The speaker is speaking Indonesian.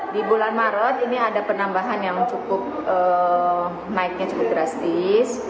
di bulan maret ini ada penambahan yang cukup naiknya cukup drastis